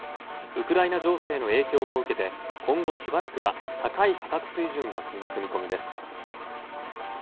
ウクライナ情勢の影響も受けて今後、しばらくは高い価格水準が続く見込みです。